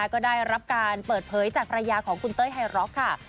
ก็ได้รับการเปิดเผยจากภรรยาของคุณเต้ยไฮร็อกค่ะ